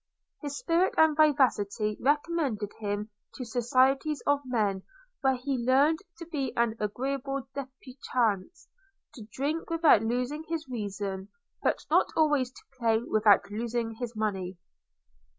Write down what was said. His spirit and vivacity recommended him to societies of men, where he learned to be an agreeable debauché, to drink without losing his reason, but not always to play without losing his money.